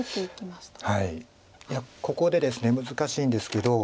いやここでですね難しいんですけど。